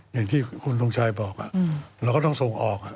อย่างที่คุณทงชัยบอกเราก็ต้องส่งออก